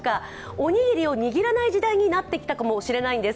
おにぎりを握らない時代になってきたかもしれないんです。